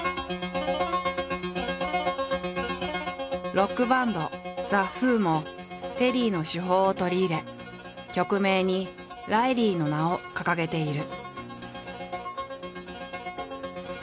ロックバンドＴＨＥＷＨＯもテリーの手法を取り入れ曲名にライリーの名を掲げている。